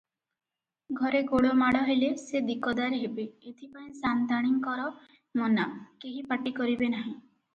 ଘରେ ଗୋଳମାଳ ହେଲେ ସେ ଦିକଦାର ହେବେ, ଏଥିପାଇଁ ସାନ୍ତାଣୀଙ୍କର ମନା, କେହି ପାଟି କରିବେ ନାହିଁ ।